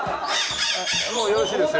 もうよろしいですよ。